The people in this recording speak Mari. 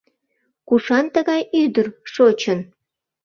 Кушан тыгай ӱдыр шочын?